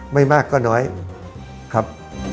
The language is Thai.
ไม่มากก็น้อยครับ